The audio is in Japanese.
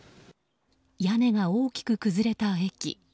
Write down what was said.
屋根が大きく崩れた駅。